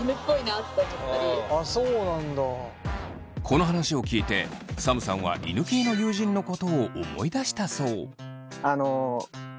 この話を聞いてサムさんは犬系の友人のことを思い出したそう。